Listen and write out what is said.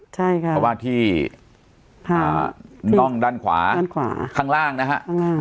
ใช่ครับเพราะว่าที่อ่าน่องด้านขวาด้านขวาข้างล่างนะฮะข้างล่าง